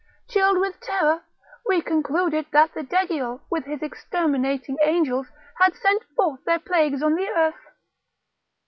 Chilled with terror, we concluded that the Deggial, with his exterminating angels, had sent forth their plagues on the earth.